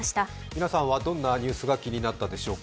皆さんはどんなニュースが気になったでしょうか。